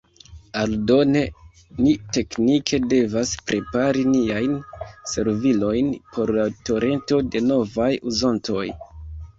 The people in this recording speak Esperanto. Aldone, ni teknike devas prepari niajn servilojn por la torento de novaj uzontoj.